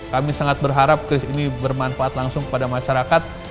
kami sangat berharap ini bermanfaat langsung kepada masyarakat